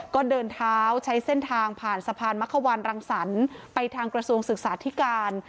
ก็เดินเท้าใช้เส้นทางผ่านสะพานมะควันรังสรรค์ไปทางกระทรวงศึกษาธิการ